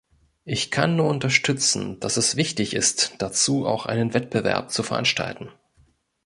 Ich kann nur unterstützen, dass es wichtig ist, dazu auch einen Wettbewerb zu veranstalten.